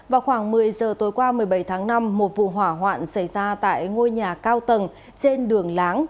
vào khoảng một mươi giờ tối qua một mươi bảy tháng năm một vụ hỏa hoạn xảy ra tại ngôi nhà cao tầng trên đường láng